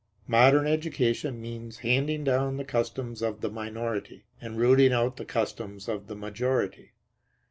Modern education means handing down the customs of the minority, and rooting out the customs of the majority.